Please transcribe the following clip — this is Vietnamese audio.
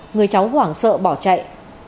người cháu hoảng sợ bỏ chạy